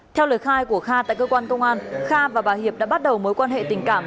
theo lời khai của kha tại cơ quan công an kha và bà hiệp đã bắt đầu mối quan hệ tình cảm